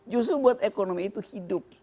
justru buat ekonomi itu hidup